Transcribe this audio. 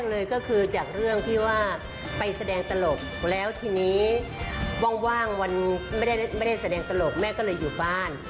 เลยก็คือจากเรื่องที่ว่าไปแสดงตลกแล้วทีนี้ว่างวันไม่ได้แสดงตลกแม่ก็เลยอยู่บ้าน